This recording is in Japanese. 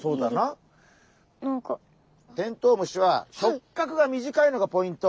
テントウムシは触角が短いのがポイント。